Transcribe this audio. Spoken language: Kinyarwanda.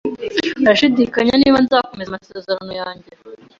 Arashidikanya niba nzakomeza amasezerano yanjye